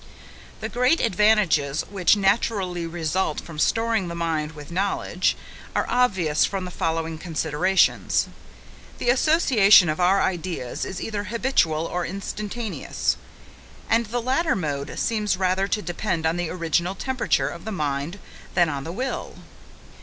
The great advantages which naturally result from storing the mind with knowledge, are obvious from the following considerations. The association of our ideas is either habitual or instantaneous; and the latter mode seems rather to depend on the original temperature of the mind than on the will.